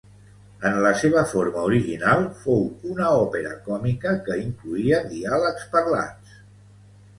En la seva forma original, fou una òpera còmica, que incloïa diàlegs parlats.